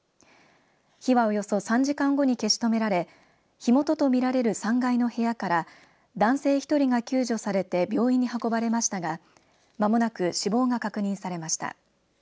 火はおよそ３時間後に消し止められ火元と見られる３階の部屋から男性１人が救助されて病院に運ばれましたが間もなく死亡が確認されました。